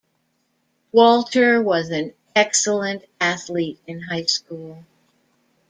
Walter was an excellent athlete in high school.